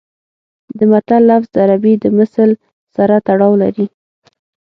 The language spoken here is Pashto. د متل لفظ د عربي د مثل سره تړاو لري